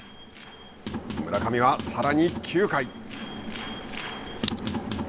村上はさらに９回。